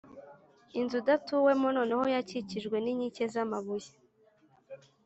Inzudatuwemo noneho yakikijwe n’inkike z’amabuye